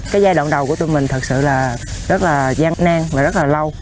cái giai đoạn đầu của tụi mình thật sự là rất là gian nang và rất là lâu